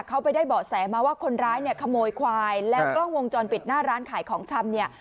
เขาไปได้เบาะแสมาว่าคนร้ายเนี่ยขโมยควายแล้วกล้องวงจรปิดหน้าร้านขายของชำเนี่ย